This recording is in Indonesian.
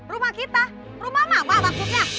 rumah kita rumah apa maksudnya